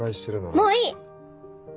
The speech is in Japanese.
もういい！